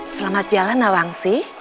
selamat jalan nawangsi